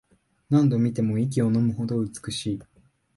何度見ても息をのむほど美しい